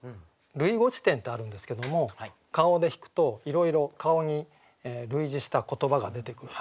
「類語辞典」ってあるんですけども「顔」で引くといろいろ「顔」に類似した言葉が出てくる。